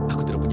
aku tidak punya